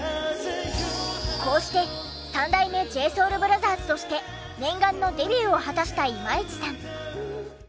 こうして三代目ＪＳＯＵＬＢＲＯＴＨＥＲＳとして念願のデビューを果たした今市さん。